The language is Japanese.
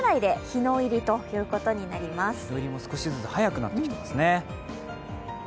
日の入りも少しずつ、早くなってきています。